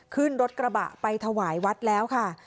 ขึ้นรถกระบะไปถวายวัดแล้วค่ะ